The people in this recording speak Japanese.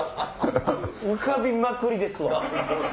浮かびまくりですわ！